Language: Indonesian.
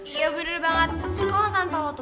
iya bener banget sekolah tanpa lo itu